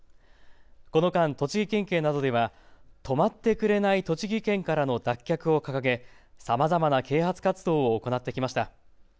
この間、栃木県警などでは止まってくれない栃木県からの脱却を掲げさまざまな啓発活動を行ってきました。